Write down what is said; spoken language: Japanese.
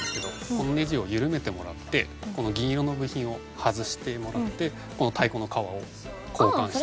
このネジを緩めてもらってこの銀色の部品を外してもらってこの太鼓の皮を交換して。